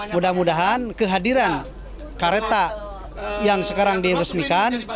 mudah mudahan kehadiran kereta yang sekarang diresmikan